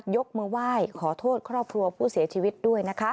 ยกมือไหว้ขอโทษครอบครัวผู้เสียชีวิตด้วยนะคะ